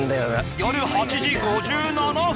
夜８時５７分！